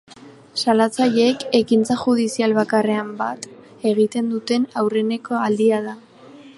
Salatzaileek ekintza judizial bakarrean bat egiten duten aurreneko aldia da.